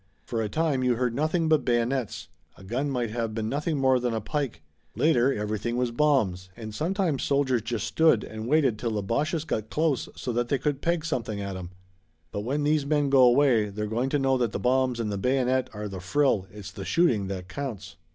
For a time you heard nothing but bayonets. A gun might have been nothing more than a pike. Later everything was bombs, and sometimes soldiers just stood and waited till the Boches got close, so that they could peg something at 'em. But when these men go away they're going to know that the bombs and the bayonet are the frill. It's the shooting that counts."